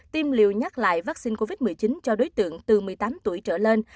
tiêm liều nhắc lại vaccine covid một mươi chín cho đối tượng từ một mươi tám tuổi trở lên